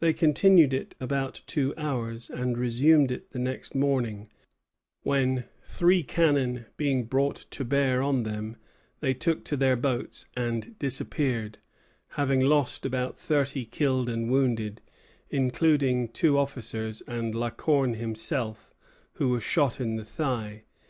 They continued it about two hours, and resumed it the next morning; when, three cannon being brought to bear on them, they took to their boats and disappeared, having lost about thirty killed and wounded, including two officers and La Corne himself, who was shot in the thigh.